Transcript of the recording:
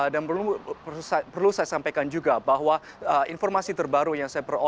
dan perlu saya sampaikan juga bahwa informasi terbaru yang saya perkenalkan